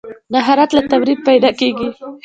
مهارت له تمرین پیدا کېږي.